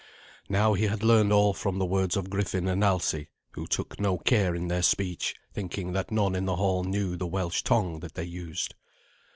Now he had learned all from the words of Griffin and Alsi, who took no care in their speech, thinking that none in the hall knew the Welsh tongue that they used.